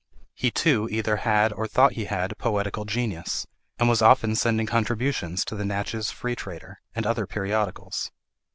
He too either had, or thought he had, poetical genius; and was often sending contributions to the Natchez Free Trader, and other periodicals.